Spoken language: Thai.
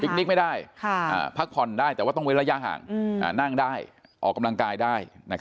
คนนิกไม่ได้พักผ่อนได้แต่ว่าต้องเว้นระยะห่างนั่งได้ออกกำลังกายได้